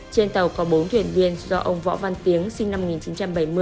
trên tàu có bốn thuyền viên do ông võ văn tiếng sinh năm một nghìn chín trăm bảy mươi